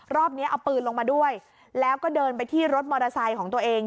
รอบนี้เอาปืนลงมาด้วยแล้วก็เดินไปที่รถมอเตอร์ไซค์ของตัวเอง